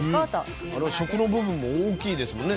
食の部分も大きいですもんね。